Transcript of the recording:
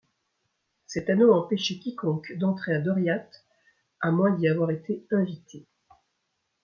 Cet anneau empêchait quiconque d'entrer à Doriath à moins d'y avoir été invité.